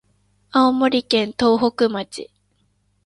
青森県東北町